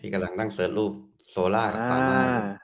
พี่กำลังตั้งเซิร์ชรูปโซล่ากับปามา